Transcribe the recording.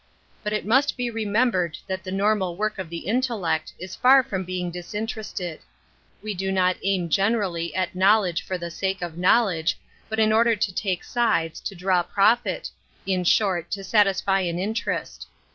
But it must he remem bered that the normal work of the intellect is far from being disinterested. We do not 1 Metaphysics 41 aim genemlly^t knowledge for the sake of knowledge, but in order to take sides, to draw profit— in short, to satisfy an inter est.